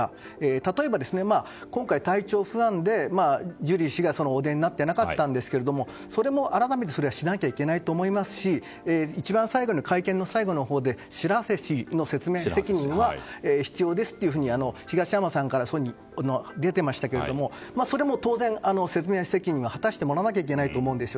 例えば今回、体調不安でジュリー氏がお出になってなかったんですけどそれも改めてしなきゃいけないと思いますし会見の一番最後のほうで白波瀬氏の説明責任は必要ですというふうに東山さんから出てましたけどもそれも当然、説明責任は果たしてもらわなきゃいけないと思います。